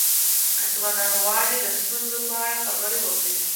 ځوانان غواړي د ستونزو په اړه خبرې وکړي.